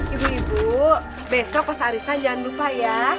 ibu ibu besok pas arisan jangan lupa ya